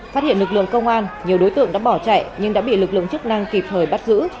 phát hiện lực lượng công an nhiều đối tượng đã bỏ chạy nhưng đã bị lực lượng chức năng kịp thời bắt giữ